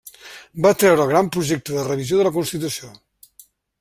Va treure el gran projecte de revisió de la Constitució.